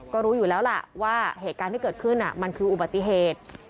ก็รู้อยู่แล้วล่ะว่าเหตุการณ์ที่เกิดขึ้นมันคืออุบัติเหตุ